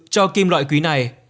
cho kim loại quý này